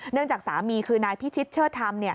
จากสามีคือนายพิชิตเชิดธรรม